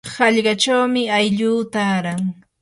qallqachawmi aylluu taaran.